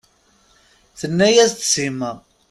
Tenne-as-d Sima.